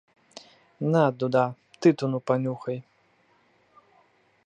На, дуда, тытуну панюхай!